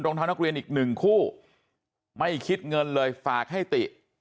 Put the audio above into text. รองเท้านักเรียนอีกหนึ่งคู่ไม่คิดเงินเลยฝากให้ติ